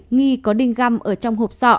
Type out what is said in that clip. nghi có đinh găm ở trong hộp sọ